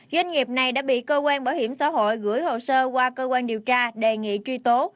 doanh nghiệp này đã bị cơ quan bảo hiểm xã hội gửi hồ sơ qua cơ quan điều tra đề nghị truy tố